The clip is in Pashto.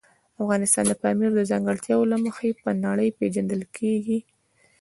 افغانستان د پامیر د ځانګړتیاوو له مخې په نړۍ پېژندل کېږي.